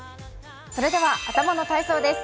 それでは頭の体操です。